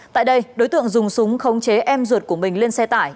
tại đây đối tượng dùng súng khống chế em ruột của mình lên xe tải